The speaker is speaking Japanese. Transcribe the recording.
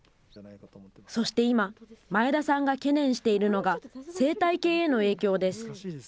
そして今、前田さんが懸念しているのが、生態系への影響です。